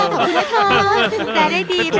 ขอขอบคุณค่ะได้ได้ดี